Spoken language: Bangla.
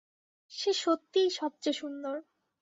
সে সত্যিই সবচেয়ে সুন্দর।